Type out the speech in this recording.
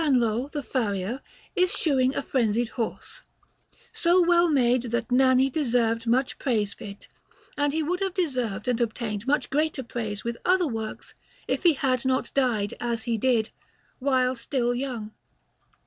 Lo, the Farrier, is shoeing a frenzied horse, so well made that Nanni deserved much praise for it; and he would have deserved and obtained much greater praise with other works, if he had not died, as he did, while still young.